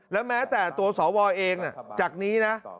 แล้วแม้แต่ตัวสวเองจากนี้นะ